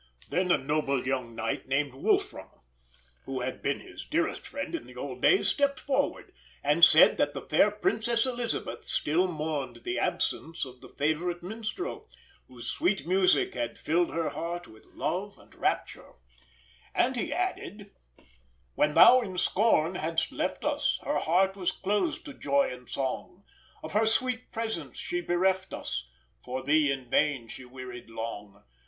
Then a noble young knight, named Wolfram, who had been his dearest friend in the old days, stepped forward, and said that the fair Princess Elisabeth still mourned the absence of the favourite minstrel, whose sweet music had filled her heart with love and rapture; and he added: "When thou in scorn hadst left us, Her heart was closed to joy and song. Of her sweet presence she bereft us, For thee in vain she wearied long.